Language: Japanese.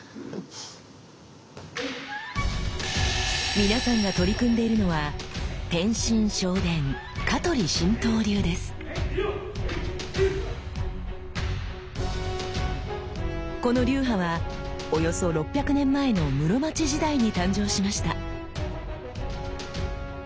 皆さんが取り組んでいるのはこの流派はおよそ６００年前の室町時代に誕生しました。